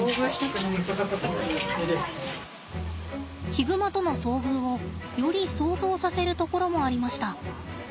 ヒグマとの遭遇をより想像させるところもありました。